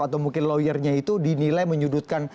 atau mungkin lawyernya itu dinilai menyudutkan